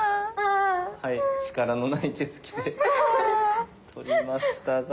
はい力のない手つきで取りましたが。